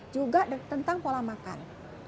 juga tentang pola makan